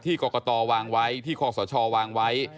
กรกตวางไว้ที่คอสชวางไว้